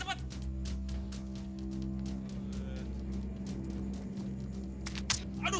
tawas begini dulu